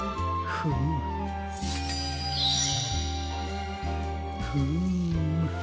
フームフーム。